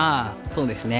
そうですね。